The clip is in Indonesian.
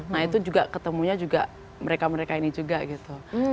nah itu juga ketemunya juga mereka mereka ini juga gitu